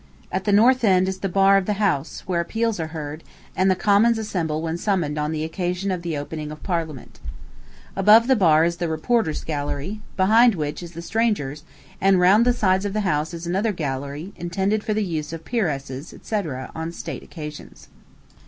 At the north end is the bar of the house, where appeals are heard, and the Commons assemble when summoned on the occasion of the opening of Parliament. Above the bar is the reporters' gallery, behind which is the strangers', and round the sides of the House is another gallery, intended for the use of peeresses, &c., on state occasions.